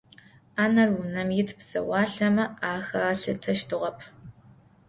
Ӏанэр унэм ит псэуалъэмэ ахалъытэщтыгъэп.